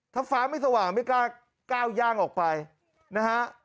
ถ้าฟ้าไม่สว่างไม่กล้าก้าวย่างออกไปนะฮะ